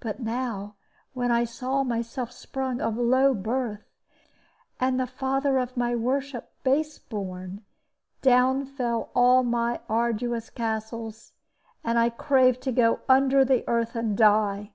But now, when I saw myself sprung of low birth, and the father of my worship base born, down fell all my arduous castles, and I craved to go under the earth and die.